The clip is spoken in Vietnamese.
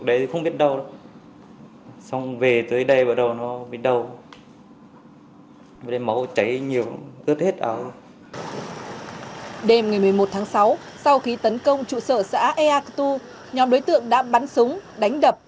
đêm ngày một mươi một tháng sáu sau khi tấn công trụ sở xã ea cơ tu nhóm đối tượng đã bắn súng đánh đập